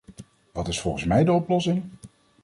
Wat is volgens mij de oplossing?